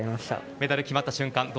メダルが決まった瞬間